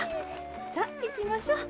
さあいきましょう。